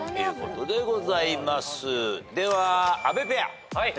では阿部ペア。